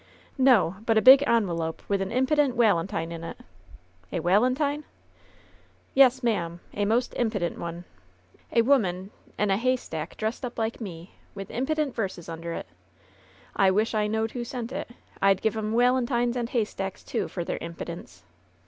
No! but a big onwelope with a impident walentine in it !" "A walentine !" "Yes, ma'am ! A most impident one ! A woman — ^ne — a' haystack dressed up like me, with impident verses under it ! I wish I knowed who sent it ! I'd give 'em walentines and haystacks, too, for their impidence."